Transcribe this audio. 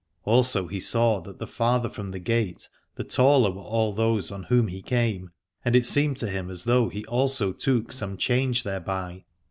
Also he saw that the farther from the gate the taller were all those on whom he came : and it seemed to him as though he also took some change thereby.